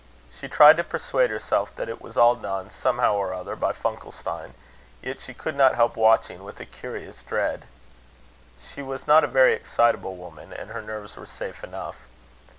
She tried to persuade herself that it was all done, somehow or other, by Funkelstein, yet she could not help watching with a curious dread. She was not a very excitable woman, and her nerves were safe enough.